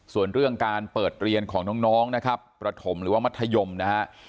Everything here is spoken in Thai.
ส่วนเรื่องการเปิดเรียนของน้องนะครับประถมหรือว่ามัธยมนะฮะ